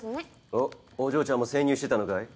おっお嬢ちゃんも潜入してたのかい。